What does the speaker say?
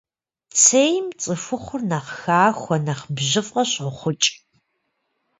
Цейм цӏыхухъур нэхъ хахуэ, нэхъ бжьыфӏэ щӏохъукӏ.